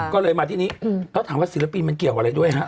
ก็เลยมาที่นี้แล้วถามว่าศิลปินมันเกี่ยวอะไรด้วยฮะ